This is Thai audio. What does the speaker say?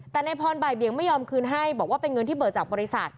แต่นายพรบ่ายเบียงไม่ยอมคืนให้บอกว่าเป็นเงินที่เบิกจากบริษัท